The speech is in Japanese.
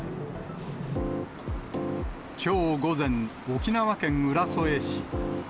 きょう午前、沖縄県浦添市。